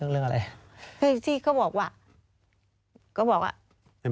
เรื่องอะไร